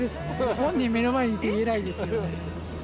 本人目の前にいて言えないですよね。